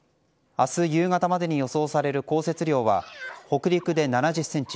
明日夕方までに予想される降雪量は北陸で７０ｃｍ